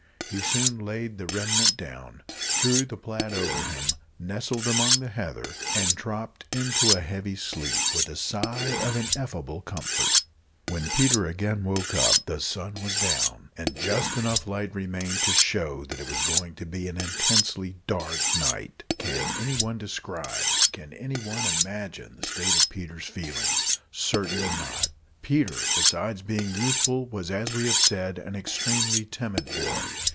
He soon laid the remnant down, drew the plaid over him, nestled among the heather, and dropped into a heavy sleep with a sigh of ineffable comfort. When Peter again woke up, the sun was down, and just enough of light remained to show that it was going to be an intensely dark night. Can anyone describe, can anyone imagine, the state of Peter's feelings? Certainly not! Peter, besides being youthful, was, as we have said, an extremely timid boy.